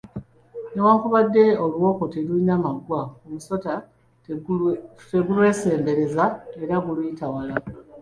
Newankubadde oluwoko telulina maggwa, omusota tegulwesembereza era guluyita wala.